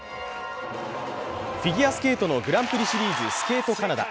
フィギュアスケートのグランプリシリーズ、スケートカナダ。